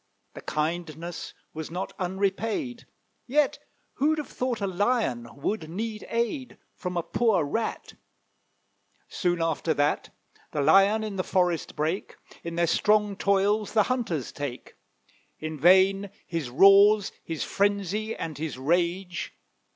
The kindness was not unrepaid; Yet, who'd have thought a Lion would need aid [Illustration: THE LION AND THE RAT.] From a poor Rat? Soon after that The Lion in the forest brake, In their strong toils the hunters take; In vain his roars, his frenzy, and his rage.